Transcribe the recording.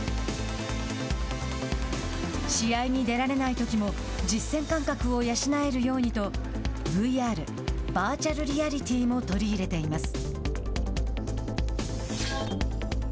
試合に出られないときも実戦感覚を養えるようにとＶＲ＝バーチャルリアリティーも取り入れています。